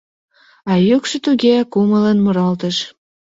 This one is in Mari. А йӱкшӧ туге кумылын муралтыш...